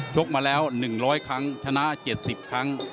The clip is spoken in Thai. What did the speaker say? กมาแล้ว๑๐๐ครั้งชนะ๗๐ครั้ง